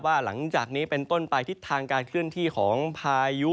หลังจากนี้เป็นต้นไปทิศทางการเคลื่อนที่ของพายุ